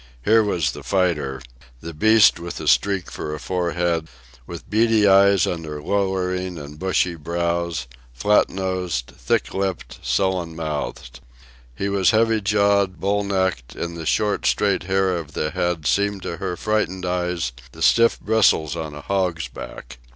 Here was the fighter the beast with a streak for a forehead, with beady eyes under lowering and bushy brows, flat nosed, thick lipped, sullen mouthed. He was heavy jawed, bull necked, and the short, straight hair of the head seemed to her frightened eyes the stiff bristles on a hog's back.